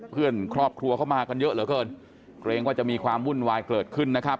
เพื่อนครอบครัวเข้ามากันเยอะเหลือเกินเกรงว่าจะมีความวุ่นวายเกิดขึ้นนะครับ